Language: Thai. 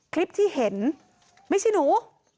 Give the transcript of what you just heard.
คลิปที่เห็นไม่ใช่หนู